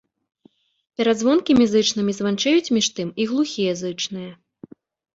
Перад звонкімі зычнымі званчэюць, між тым, і глухія зычныя.